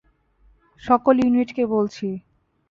সকল ইউনিটকে বলছি।